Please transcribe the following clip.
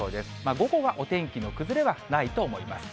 午後はお天気の崩れはないと思います。